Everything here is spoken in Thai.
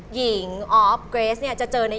หญิงออฟเกรสเนี่ยจะเจอใน